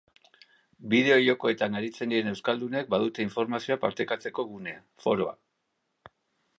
Bideo jokoetan aritzen diren euskaldunek badute informazioa partekatzeko gunea, foroa.